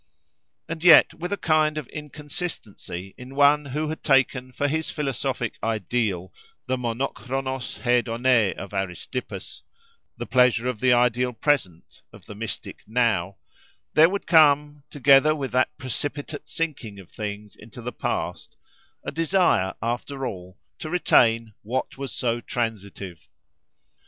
And yet, with a kind of inconsistency in one who had taken for his philosophic ideal the monochronos hêdonê+ of Aristippus—the pleasure of the ideal present, of the mystic now—there would come, together with that precipitate sinking of things into the past, a desire, after all, to retain "what was so transitive."